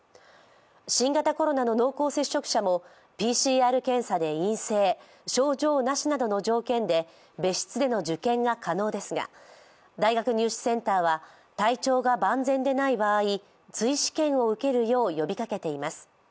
新型コロナの濃厚接触者もＰＣＲ検査で陰性、症状なしなどの条件で別室での受験が可能ですが、大学入試センターは体調が万全ではい場合、追試験を受けるよう呼びかけています。